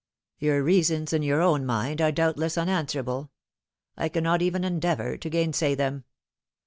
Your reasons in your own mind are doubtless unanswer able. I cannot even endeavour to gainsay them.